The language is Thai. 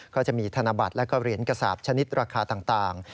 ก็จะมีธนบัตรและเหรียญกระสาปชนิดราคาต่าง